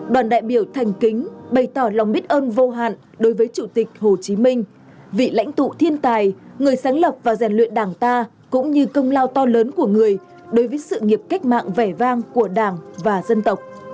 đoàn đại biểu thành kính bày tỏ lòng biết ơn vô hạn đối với chủ tịch hồ chí minh vị lãnh tụ thiên tài người sáng lập và rèn luyện đảng ta cũng như công lao to lớn của người đối với sự nghiệp cách mạng vẻ vang của đảng và dân tộc